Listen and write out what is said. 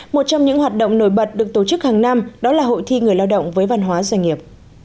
một trong những hoạt động nổi bật được tổ chức hàng năm đó là hội thi người lao động với văn hóa doanh nghiệp